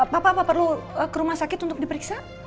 papa apa perlu ke rumah sakit untuk diperiksa